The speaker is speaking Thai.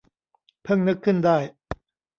เพิ่งนึกขึ้นได้